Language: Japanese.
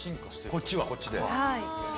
こっちはこっちで。